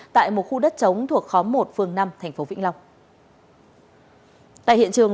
tại một khu đất trống thuộc khóm một phường năm tp vĩnh long